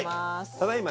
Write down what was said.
ただいま